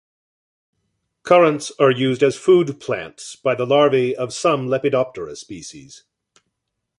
Currants are used as food plants by the larvae of some Lepidoptera species.